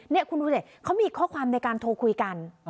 นี่คุณดูสิเขามีข้อความในการโทรคุยกัน